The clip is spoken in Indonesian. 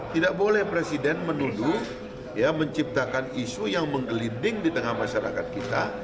tidak boleh presiden menuduh menciptakan isu yang menggelinding di tengah masyarakat kita